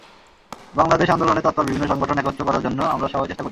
বাংলাদেশ আন্দোলনে তৎপর বিভিন্ন সংগঠন একত্র করার জন্য আমরা সবাই চেষ্টা করি।